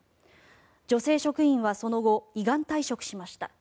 女性職員はその後依願退職しました。